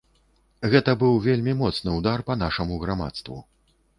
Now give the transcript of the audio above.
Гэта быў вельмі моцны ўдар па нашаму грамадству.